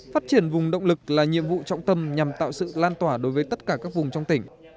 phát triển vùng động lực là nhiệm vụ trọng tâm nhằm tạo sự lan tỏa đối với tất cả các vùng trong tỉnh